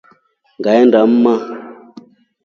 Ngaenda mma.